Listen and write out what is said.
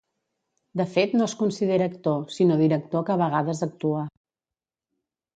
De fet no es considera actor, sinó director que a vegades actua.